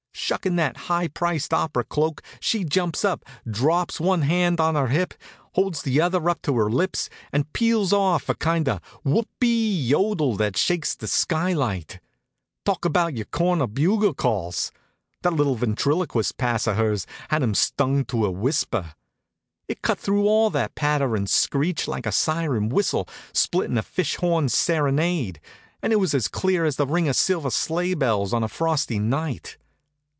Shuckin' that high priced opera cloak she jumps up, drops one hand on her hip, holds the other up to her lips and peels off a kind of whoop e e e yodel that shakes the skylight. Talk about your cornet bugle calls! That little ventriloquist pass of hers had 'em stung to a whisper. It cut through all that patter and screech like a siren whistle splittin' a fish horn serenade, and it was as clear as the ring of silver sleigh bells on a frosty night.